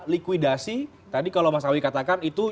likuidasi tadi kalau mas awi katakan itu